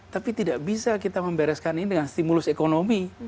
tapi tidak bisa kita membereskan ini dengan stimulus ekonomi